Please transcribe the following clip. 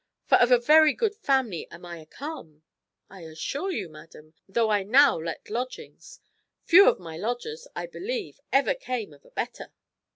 for of a very good family am I come, I assure you, madam, though I now let lodgings. Few of my lodgers, I believe, ever came of a better."